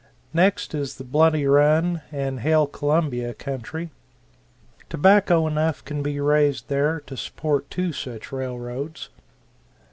Next is the Bloody Run and Hail Columbia country tobacco enough can be raised there to support two such railroads.